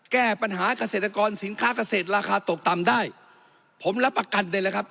แก้ปัญหาเกษตรกรสินค้าเกษตรราคาตกต่ำได้ผมรับประกันได้เลยครับ